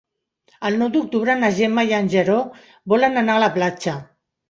El nou d'octubre na Gemma i en Guerau volen anar a la platja.